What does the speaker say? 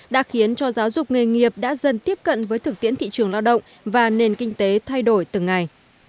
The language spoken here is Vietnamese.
đã khiến cho giáo dục nghề nghiệp đã dần tiếp cận với thực tiễn thị trường lao động và nền kinh tế thay đổi từng ngày